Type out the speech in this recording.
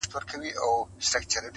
چي یې تر دار پوري د حق چیغي وهلي نه وي-